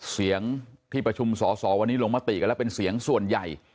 เสียงที่ประชุมสอสอวันนี้ลงมติกันแล้วเป็นเสียงส่วนใหญ่